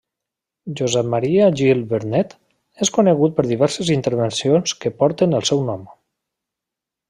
Josep Maria Gil-Vernet és conegut per diverses intervencions que porten el seu nom.